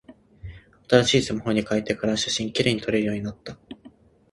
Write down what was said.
新しいスマホに変えてから、写真綺麗に撮れるようになった。